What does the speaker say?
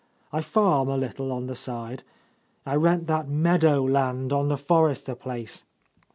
I farm a little on the side. I rent that meadow land on the Forrester place.